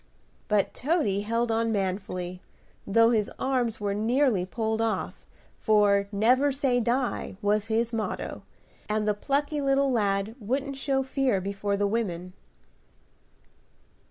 But Toady held on manfully, though his arms were nearly pulled off, for "Never say die," was his motto, and the plucky little lad wouldn't show fear before the women.